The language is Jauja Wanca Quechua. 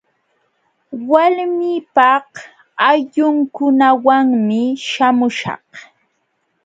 Walmiipaq ayllunkunawanmi śhamuśhaq.